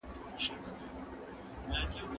آیا عصبیت په ټولنه کي ځانګړی ځای لري؟